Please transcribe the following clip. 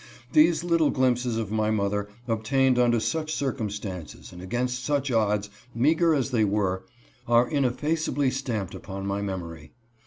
These little glimpses of my mother, obtained under such circumstances and against such odds, meager as they were, are ineffaceably stamped upon my memory.